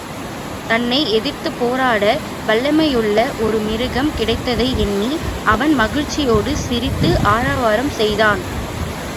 தன்னை எதிர்த்துப் போராட வல்லமையுள்ள ஒரு மிருகம் கிடைத்த்தை எண்ணி, அவன் மகிழ்ச்சியோடு சிரித்து ஆரவாரம் செய்தான்.